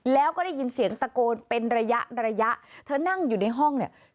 แล้วก็ได้ยินเสียงตะโกนเป็นระยะระยะเธอนั่งอยู่ในห้องเนี่ย